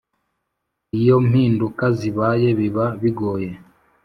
Iyo mpinduka zibaye biba bigoye